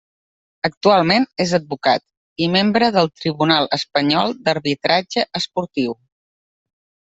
Actualment és advocat i membre del Tribunal Espanyol d'Arbitratge Esportiu.